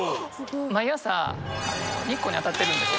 毎朝日光に当たってるんです。